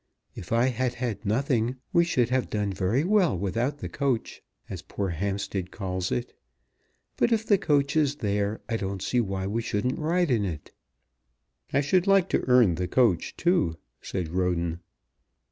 If I had had nothing we should have done very well without the coach, as poor Hampstead calls it. But if the coach is there I don't see why we shouldn't ride in it." "I should like to earn the coach too," said Roden.